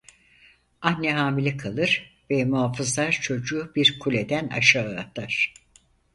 Anne hamile kalır ve muhafızlar çocuğu bir kuleden aşağı atar.